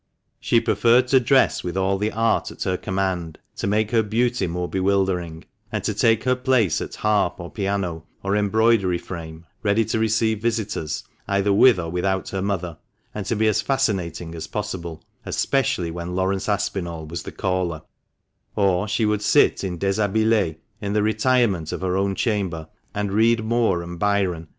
She preferred to dress with all the art at her command to make her beauty more bewildering, and to take her place at harp or piano, or embroidery frame, ready to receive visitors either with or without her mother, and to be as fascinating as possible, especially when Laurence Aspinall was the caller; or she would sit in d6shabi!16 in the retirement of her own chamber and read Moore and Byron 270 THE MANCHESTER MAN.